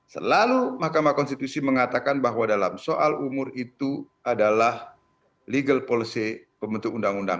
selalu mahkamah konstitusi mengatakan bahwa dalam soal umur itu adalah legal policy pembentuk undang undang